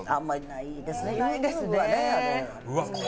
ないですね。